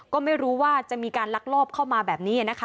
ก็ไม่รู้ว่าจะมีการลักลอบเข้ามาแบบนี้นะคะ